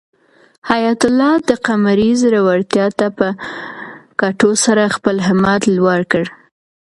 حیات الله د قمرۍ زړورتیا ته په کتو سره خپل همت لوړ کړ.